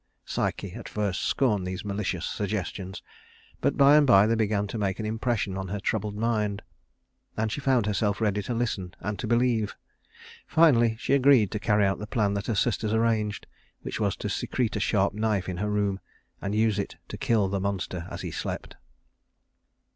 Psyche at first scorned these malicious suggestions, but by and by they began to make an impression on her troubled mind, and she found herself ready to listen and to believe. Finally she agreed to carry out the plan that her sisters arranged, which was to secrete a sharp knife in her room and use it to kill the monster as he slept.